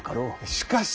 しかし！